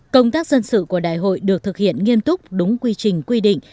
công tác dân sự của đại hội được thực hiện nghiêm túc đúng quy trình quy định